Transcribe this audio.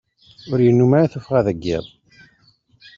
Ur yennum ara tuffɣa deg iḍ.